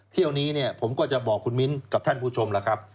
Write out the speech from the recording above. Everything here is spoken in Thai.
ที่วันนี้ผมก็จะบอกคุณมิ้นท์กับท่านผู้ชมล่ะครับ